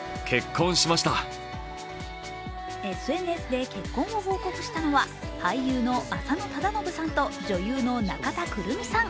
ＳＮＳで結婚を報告したのは、俳優の浅野忠信さんと女優の中田クルミさん。